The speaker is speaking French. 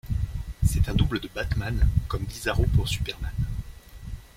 C'est un double de Batman comme Bizarro pour Superman.